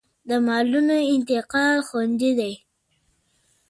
د مالونو انتقال خوندي دی